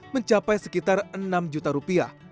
mencapai sekitar enam juta rupiah